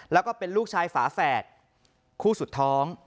แล้วก็เป็นลูกชายฝาแฝดคู่สุดท้อง